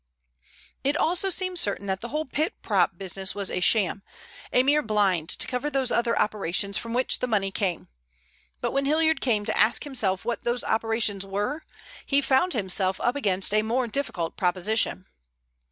It also seemed certain that the whole pit prop business was a sham, a mere blind to cover those other operations from which the money came. But when Hilliard came to ask himself what those operations were, he found himself up against a more difficult proposition.